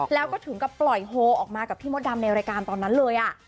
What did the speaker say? แล้วก็ถึงกับปล่อยโฮออกมากับพี่มดดำในรายการตอนนั้นเลย